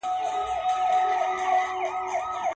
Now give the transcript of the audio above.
د سپېڅلتیا لامل ګرځي